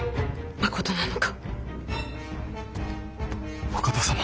まことなのか！